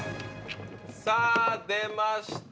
さぁ出ました